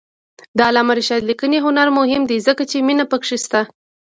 د علامه رشاد لیکنی هنر مهم دی ځکه چې مینه پکې شته.